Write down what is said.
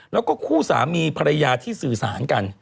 แล้วก็คู่สามีภรรยาที่สื่อสารกัน